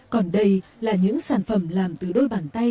còn đây là những sản phẩm làm từ đôi bàn tay